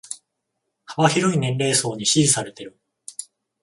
幅広い年齢層に支持されてる